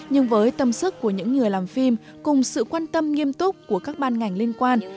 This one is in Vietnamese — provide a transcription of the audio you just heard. nhưng với tâm sức của những người làm phim cùng sự quan tâm nghiêm túc của các ban ngành liên quan